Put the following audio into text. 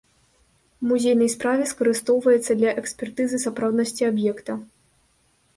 У музейнай справе скарыстоўваецца для экспертызы сапраўднасці аб'екта.